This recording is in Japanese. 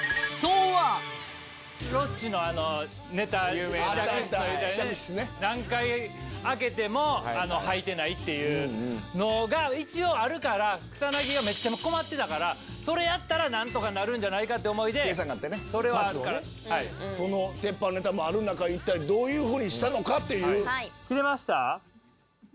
有名なねっていうのが一応あるから草薙がめっちゃ困ってたからそれやったら何とかなるんじゃないかって思いでそれはあるからってその鉄板ネタもある中一体どういうふうにしたのか？っていう着れました？